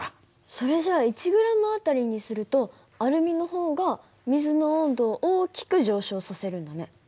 それじゃあ１ｇあたりにするとアルミの方が水の温度を大きく上昇させるんだね。